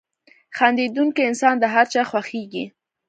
• خندېدونکی انسان د هر چا خوښېږي.